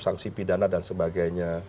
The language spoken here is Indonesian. sanksi pidana dan sebagainya